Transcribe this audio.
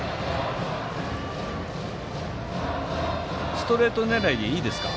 ストレート狙いでいいですか？